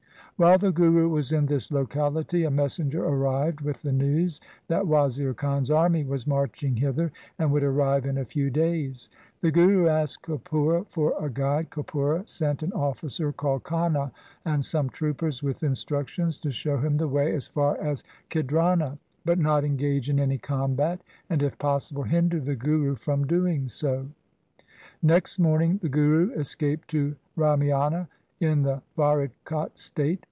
While the Guru was in this locality, a messenger arrived with the news that Wazir Khan's army was marching hither, and would arrive in a few days. The Guru asked Kapura for a guide. Kapura sent an officer called Khana and some troopers with instructions to show him the way as far as Khidrana, but not engage in any combat, and if possible hinder the Guru from doing so. Next morning the Guru es caped to Ramiana in the Faridkot state.